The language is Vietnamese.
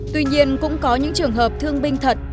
tuy nhiên cũng có những trường hợp thương binh thật